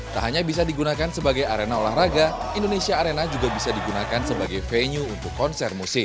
tak hanya bisa digunakan sebagai arena olahraga indonesia arena juga bisa digunakan sebagai venue untuk konser musik